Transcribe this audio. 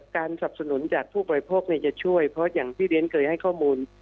การสำถุนุนจากผู้ปรายพกเนี้ยจะช่วยเพราะว่าอย่างที่เดี๋ยนเกิดให้ข้อมูล